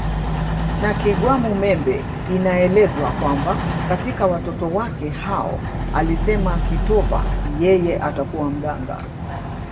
na Kigwamumembe inaelezwa kwamba katika watoto wake hao alisema kitova yeye atakuwa mganga